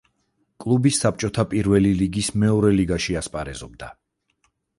კლუბი საბჭოთა პირველი ლიგის მეორე ლიგაში ასპარეზობდა.